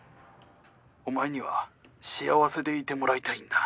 お前には幸せでいてもらいたいんだ。